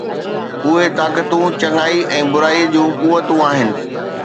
اهي طاقتون چڱائي ۽ برائيءَ جون قوتون آهن